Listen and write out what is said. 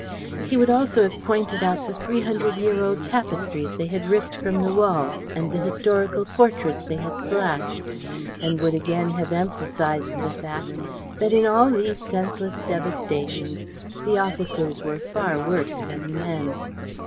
He would also have pointed out the three hundred year old tapestries they had ripped from the walls and the historical portraits they had slashed, and would again have emphasized the fact that in all these senseless devastations the officers were far worse than the men.